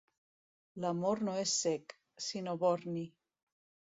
L'amor no és cec, sinó borni.